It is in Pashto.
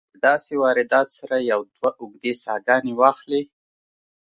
چې د داسې واردات سره يو دوه اوږدې ساهګانې واخلې